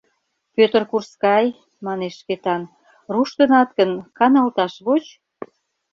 — Пӧтыр курскай, — манеш Шкетан, — руштынат гын, каналташ воч.